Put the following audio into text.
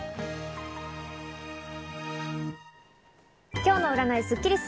今日の占いスッキリす。